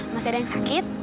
masih ada yang sakit